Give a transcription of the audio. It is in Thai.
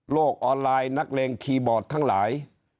ออนไลน์นักเลงคีย์บอร์ดทั้งหลาย